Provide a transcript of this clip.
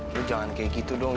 terus jangan kayak gitu dong